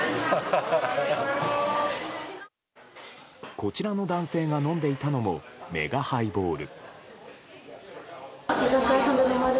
こちらの男性が飲んでいたのもメガハイボール。